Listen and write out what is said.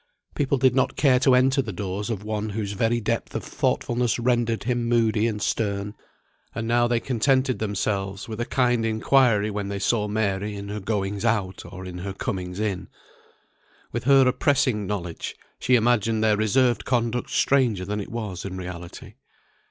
People did not care to enter the doors of one whose very depth of thoughtfulness rendered him moody and stern. And now they contented themselves with a kind inquiry when they saw Mary in her goings out or in her comings in. With her oppressing knowledge, she imagined their reserved conduct stranger than it was in reality.